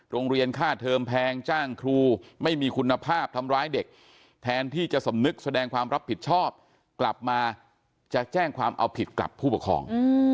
โรงเรียนค่าเทอมแพงจ้างครูไม่มีคุณภาพทำร้ายเด็กแทนที่จะสำนึกแสดงความรับผิดชอบกลับมาจะแจ้งความเอาผิดกับผู้ปกครอง